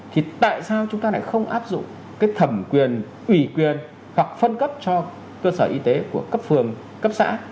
thì tại sao chúng ta lại không áp dụng cái thẩm quyền ủy quyền hoặc phân cấp cho cơ sở y tế của cấp phường cấp xã